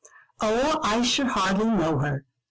Oh, I should hardly know her.